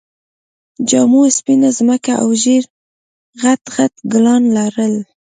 جامو سپينه ځمکه او ژېړ غټ غټ ګلان لرل